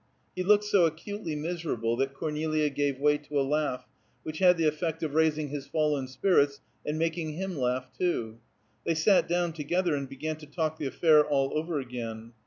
He looked so acutely miserable that Cornelia gave way to a laugh, which had the effect of raising his fallen spirits, and making him laugh, too. They sat down together and began to talk the affair all over again.